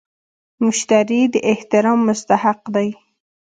مشتري د احترام مستحق دی.